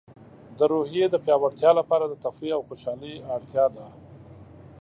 د روحیې د پیاوړتیا لپاره د تفریح او خوشحالۍ اړتیا ده.